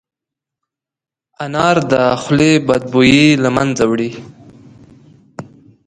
انار د خولې بد بوی له منځه وړي.